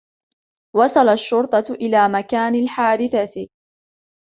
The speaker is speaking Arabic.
وصل الشرطة إلى مكان الحادثة.